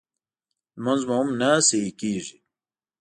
لمونځ مو هم نه صحیح کېږي